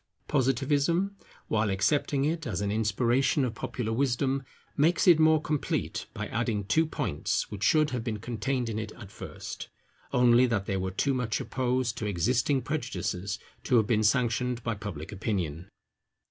Positivism, while accepting it as an inspiration of popular wisdom, makes it more complete by adding two points which should have been contained in it at first, only that they were too much opposed to existing prejudices to have been sanctioned by public opinion.